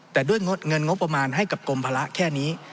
แต่ด้วยเงินงบประมาณให้กับกรมภาระแค่นี้